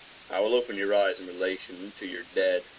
I will open your eyes in relation to your dead.